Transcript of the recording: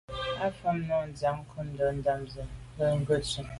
Á fáŋ nùm dìǎŋ ncúndá támzə̄ à ŋgə̂ sû ŋgə́tú’.